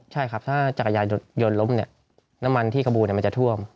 ใช่ครับถ้าจักรยานยนต์ล้มเนี่ยน้ำมันที่กระบูมันจะท่วม